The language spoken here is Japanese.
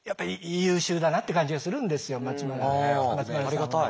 おありがたい。